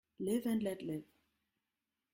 Live and let live.